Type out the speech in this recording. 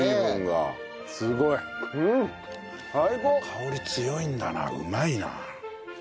香り強いんだなうまいな。